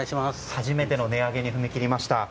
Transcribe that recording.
初めての値上げに踏み切りました。